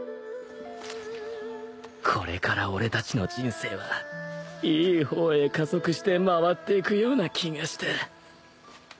これから俺たちの人生はいい方へ加速して回っていくような気がした